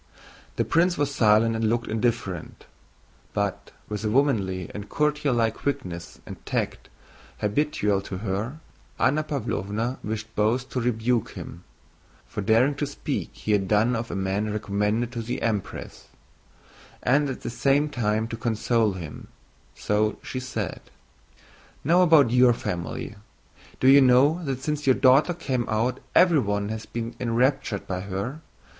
The prince was silent and looked indifferent. But, with the womanly and courtierlike quickness and tact habitual to her, Anna Pávlovna wished both to rebuke him (for daring to speak as he had done of a man recommended to the Empress) and at the same time to console him, so she said: "Now about your family. Do you know that since your daughter came out everyone has been enraptured by her?